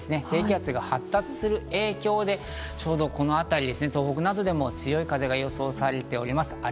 低気圧が発達する影響で、ちょうどこの辺り、東北などでも強い風が予想されております。